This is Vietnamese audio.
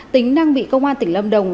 tính đang bị công an tỉnh lâm đồng